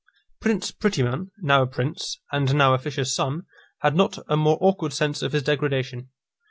Prince Prettyman, now a prince, and now a fisher's son, had not a more awkward sense of his degradation.